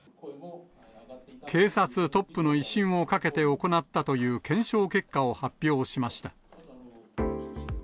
警察トップの威信をかけて行ったという検証結果を発表しました。